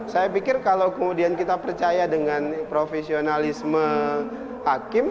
saya pikir kalau kemudian kita percaya dengan profesionalisme hakim